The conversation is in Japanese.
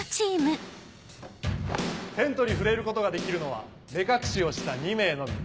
テントに触れることができるのは目隠しをした２名のみ。